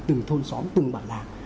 từng thôn xóm từng bản lạc